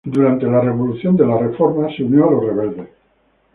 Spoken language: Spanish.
Durante la Revolución de las Reformas se unió a los rebeldes.